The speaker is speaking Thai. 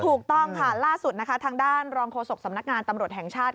ถูกต้องค่ะล่าสุดนะคะทางด้านรองโฆษกสำนักงานตำรวจแห่งชาติ